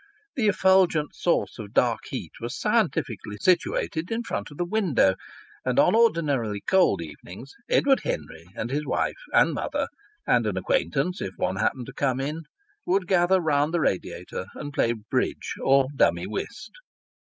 The effulgent source of dark heat was scientifically situated in front of the window, and on ordinarily cold evenings Edward Henry and his wife and mother, and an acquaintance if one happened to come in, would gather round the radiator and play bridge or dummy whist.